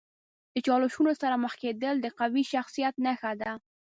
د چالشونو سره مخ کیدل د قوي شخصیت نښه ده.